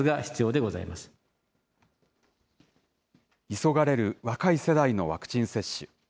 急がれる若い世代のワクチン接種。